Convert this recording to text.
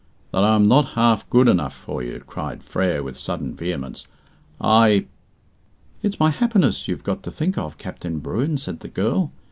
"That I am not half good enough for you," cried Frere, with sudden vehemence. "I " "It's my happiness you've got to think of, Captain Bruin," said the girl.